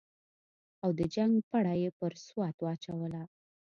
او د جنګ پړه یې پر سوات واچوله.